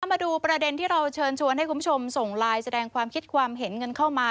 มาดูประเด็นที่เราเชิญชวนให้คุณผู้ชมส่งไลน์แสดงความคิดความเห็นกันเข้ามา